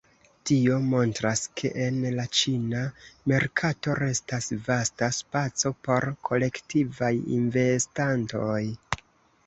Tio montras ke en la ĉina merkato restas vasta spaco por kolektivaj investantoj.